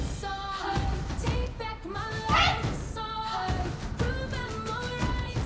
はい！